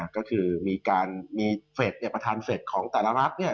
ก็คือมีประถานเฟทของแต่ละรัฐเนี่ย